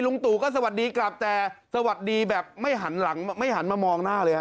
ตู่ก็สวัสดีกลับแต่สวัสดีแบบไม่หันหลังไม่หันมามองหน้าเลยฮ